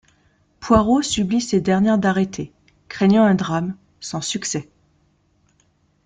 Poirot supplie cette dernière d’arrêter, craignant un drame, sans succès.